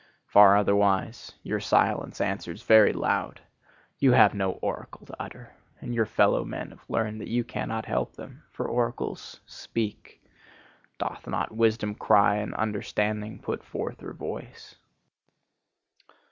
Far otherwise; your silence answers very loud. You have no oracle to utter, and your fellow men have learned that you cannot help them; for oracles speak. Doth not Wisdom cry and Understanding put forth her voice?